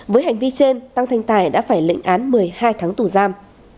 với hành vi trên tăng thanh tài đã phải lệnh án một mươi hai tháng tù giam